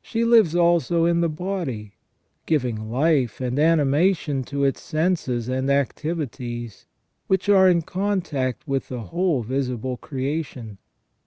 She lives also in the body, giving life and animation to its senses and activities, which are in contact with the whole visible creation.